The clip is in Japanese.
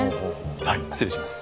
はい失礼します。